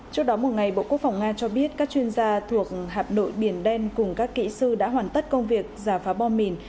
trước đó một ngày bộ quốc phòng nga cho biết các chuyên gia thuộc hạm đội biển đen cùng các kỹ sư đã hoàn tất công việc giả phá bom mìn